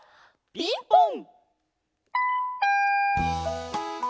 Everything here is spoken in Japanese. ピンポン！